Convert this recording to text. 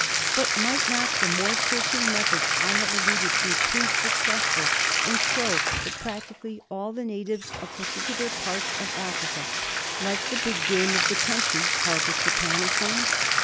But might not the more searching methods I have alluded to prove successful and show that practically all the natives of particular parts of Africa, like the big game of the country, harbour trypanosomes